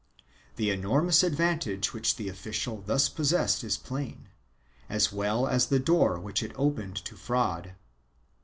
1 The enormous advantage which the official thus possessed is plain, as well as the door which it opened to fraud.